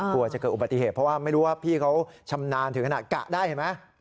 กลัวจะเกิดอุบัติเหตุเพราะว่าไม่รู้ว่าพี่เขาชำนาญถึงขนาดกะได้เห็นไหม